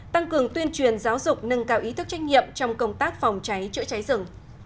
tăng cường tuyên truyền giáo dục nâng cao ý thức trách nhiệm trong công tác phòng cháy chữa cháy rừng